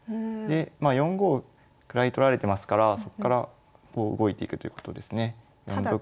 まあ４五位取られてますからそっからこう動いていくということですね。